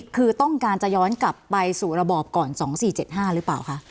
คือต้องการจะย้อนกลับไปสู่ระบอบก่อน๒๔๗๕หรือเปล่าคะ